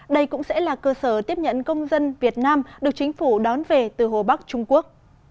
đây cũng sẽ là cơ sở tiếp nhận công dân việt nam được chính phủ đón về từ hồ bắc trung quốc